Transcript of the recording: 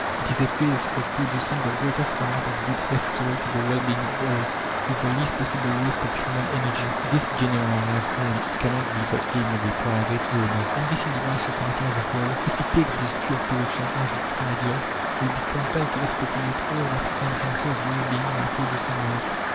It is a case of PRODUCING THE GREATEST AMOUNT OF GOODS NECESSARY TO THE WELL BEING OF ALL, WITH THE LEAST POSSIBLE WASTE OF HUMAN ENERGY. This generalized aim cannot be the aim of a private owner; and this is why society as a whole, if it takes this view of production as its ideal, will be compelled to expropriate all that enhances well being while producing wealth.